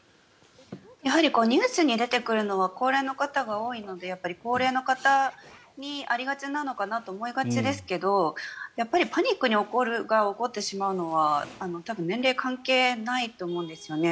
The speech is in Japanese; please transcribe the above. やはりニュースに出てくるのは高齢の方が多いので高齢の方にありがちなのかなと思いがちですけれどやっぱりパニックが起こってしまうのは多分、年齢関係ないと思うんですよね。